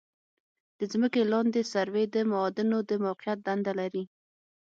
د ځمکې لاندې سروې د معادنو د موقعیت دنده لري